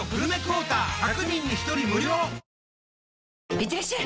いってらっしゃい！